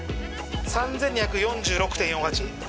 ３２４６．４８